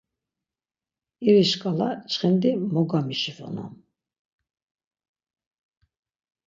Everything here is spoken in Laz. İri şǩala çxindi mo gamişifonam!